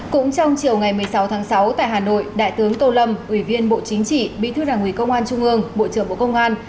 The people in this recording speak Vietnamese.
cũng trong chiều ngày một mươi sáu tháng sáu tại hà nội đại tướng tô lâm ủy viên bộ chính trị bí thư đảng ủy công an trung ương bộ trưởng bộ công an